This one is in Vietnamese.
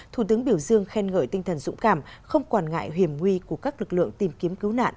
thủ tướng biểu dương khen ngợi tinh thần dũng cảm không quản ngại hiểm nguy của các lực lượng tìm kiếm cứu nạn